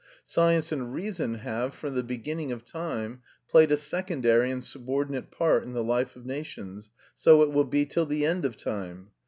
Science and reason have, from the beginning of time, played a secondary and subordinate part in the life of nations; so it will be till the end of time.